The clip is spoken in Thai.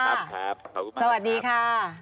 ครับครับขอบคุณมากค่ะสวัสดีค่ะ